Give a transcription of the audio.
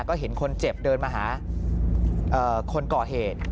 ก็เห็นคนเจ็บเดินมาหาคนก่อเหตุ